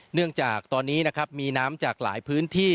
เนื่องจากตอนนี้นะครับมีน้ำจากหลายพื้นที่